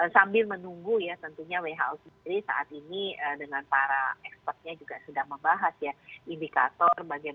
sambil menunggu ya tentunya who sendiri saat ini dengan para expertnya juga sedang membahas ya indikator bagaimana untuk kita dikatakan sebuah negara ini